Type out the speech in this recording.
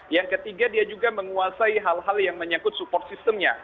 yang ketiga dia juga menguasai hal hal yang menyangkut support systemnya